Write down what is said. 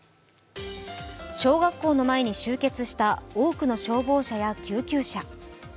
小学校の前に集結した多くの消防車や救急車。